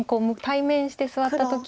対面して座った時の。